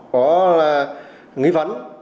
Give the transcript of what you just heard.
có nghĩ vấn